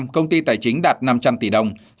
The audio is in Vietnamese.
năm công ty tài chính đạt năm trăm linh tỷ đồng